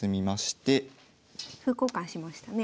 歩交換しましたね。